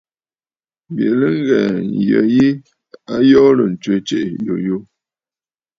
Bìʼì ghɨ̀rə ŋghɛ̀ɛ̀ ǹyə yi, a yoorə̀ ǹtswe tsiiʼì yùyù.